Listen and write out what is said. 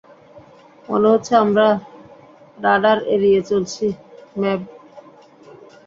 মনে হচ্ছে আমরা রাডার এড়িয়ে চলছি, ম্যাভ।